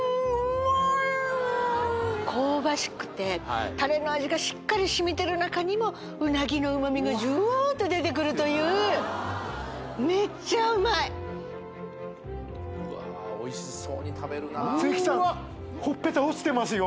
香ばしくてタレの味がしっかりしみてる中にもうなぎの旨みがジュワと出てくるというめっちゃうまいうわおいしそうに食べるな関さんほっぺた落ちてますよ